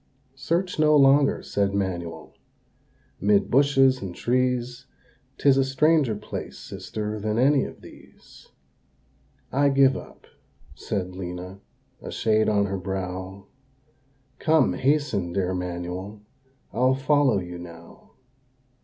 "Search no longer," said Manuel, "'mid bushes and trees, 'Tis a stranger place, sister, than any of these." "I give up," said Lena, a shade on her brow, "Come, hasten, dear Manuel, I'll follow you now."